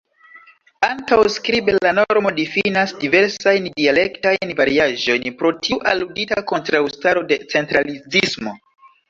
Ankaŭ skribe la normo difinas diversajn dialektajn variaĵojn, pro tiu aludita kontraŭstaro de centralizismo.